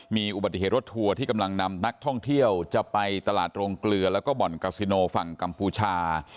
มีอุบัติเหตุรถทัวร์ที่กำลังนำนักท่องเที่ยวจะไปตลาดโรงเกลือแล้วก็บ่อนกาซิโนฝั่งกัมพูชา